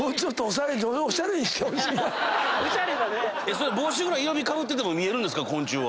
それ帽子ぐらい色みかぶってても見えるんですか？